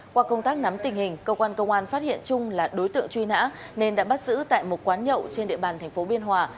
qua công tác nắm tình hình cơ quan công an phát hiện trung là đối tượng truy nã nên đã bắt giữ tại một quán nhậu trên địa bàn tp biên hòa